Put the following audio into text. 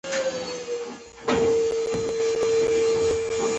هوا پاکه ده.